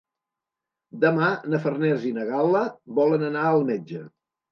Demà na Farners i na Gal·la volen anar al metge.